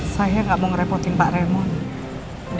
saya gak mau ngerepotin pak raymond